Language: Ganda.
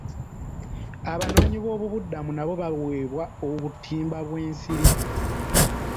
Abanoonyi b'obubuddamu nabo baweebwa obutimba bw'ensiri.